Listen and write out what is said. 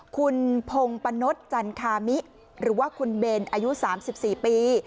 คุณพงปะโนชจันครามิหรือว่าคุณเบนอายุสามสิบสิบปี